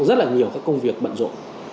rất là nhiều cái công việc bận rộn